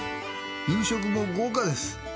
夕食も豪華です。